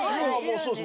そうですね